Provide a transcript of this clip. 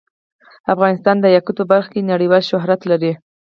افغانستان د یاقوت په برخه کې نړیوال شهرت لري.